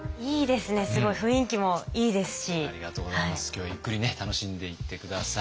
今日はゆっくり楽しんでいって下さい。